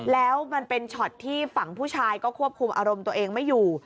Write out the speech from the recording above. แล้วมันเป็นช็อตที่ฝั่งผู้ชายก็ควบคุมอารมณ์ตัวเองไม่อยู่